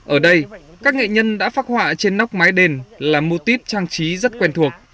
ở đây các nghệ nhân đã phác họa trên nóc mái đền là mô típ trang trí rất quen thuộc